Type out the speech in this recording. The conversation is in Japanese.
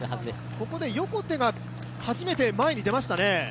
ここで横手が初めて前に出ましたね。